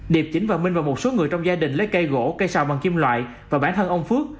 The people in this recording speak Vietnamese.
điệp chỉnh và minh và một số người trong gia đình lấy cây gỗ cây xào bằng kim loại và bản thân ông phước